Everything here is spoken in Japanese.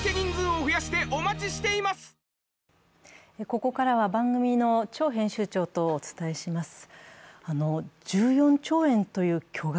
ここからは番組のちょう編集長とお伝えします。